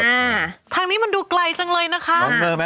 ฟังดูเป็นไงครับ